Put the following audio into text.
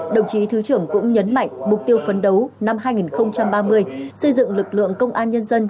đồng chí thứ trưởng cũng nhấn mạnh mục tiêu phấn đấu năm hai nghìn ba mươi xây dựng lực lượng công an nhân dân